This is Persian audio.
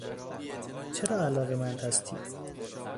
چرا علاقمند هستی؟